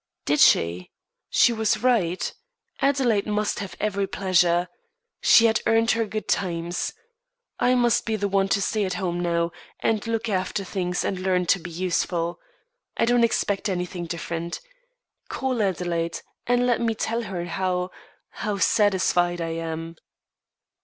"Did she? She was right. Adelaide must have every pleasure. She had earned her good times. I must be the one to stay home now, and look after things, and learn to be useful. I don't expect anything different. Call Adelaide, and let me tell her how how satisfied I am."